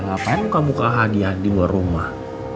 ngapain kamu kehadi hadi buat rumah